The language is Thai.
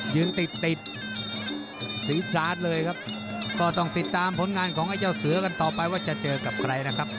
ยืนติดติดสีชาร์จเลยครับก็ต้องติดตามผลงานของไอ้เจ้าเสือกันต่อไปว่าจะเจอกับใครนะครับ